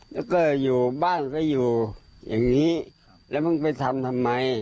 แล้วก็อยู่บ้านก็อยู่อย่างนี้แล้วมึงไปทำทำไม